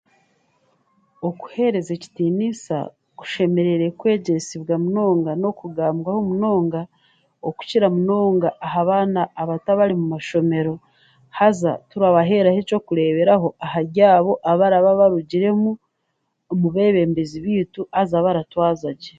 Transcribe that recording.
Okuheereza ekitiiniisa kushemereire kwegyesibwa munonga n'okugambwaho munonga okukira munonga aha baana abato abari mumashomero haza turaheeraho ekyokureeberaho ahari abo abaraba barugiremu omu beebembezi baitu haza baratwaza gye.